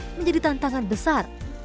menjadi tantangan besar